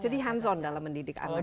jadi hands on dalam mendidik anak gitu